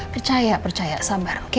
percaya percaya sabar oke